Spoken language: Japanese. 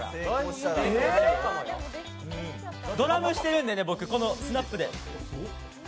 ドラムしてるんでね、スナップで。